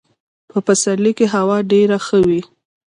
په پسرلي کي هوا ډېره ښه وي .